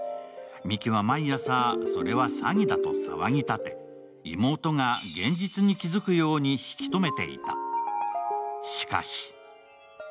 ミキは毎朝、それは詐欺だと騒ぎ立て妹が現実に気付くように引き止めていた。